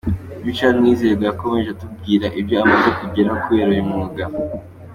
Richard Mwizerwa yakomeje atubwira ibyo amaze kugeraho kubera uyu mwuga.